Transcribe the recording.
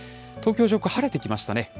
東京上空、晴れてきましたね。